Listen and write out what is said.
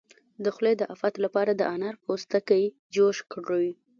د خولې د افت لپاره د انار پوستکی جوش کړئ